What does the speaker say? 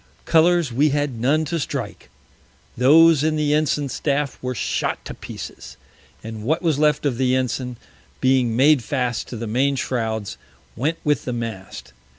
Colours we had none to strike; those and the Ensign Staff were shot to Pieces; and what was left of the Ensign being made fast to the Main Shrowds, went with the Mast.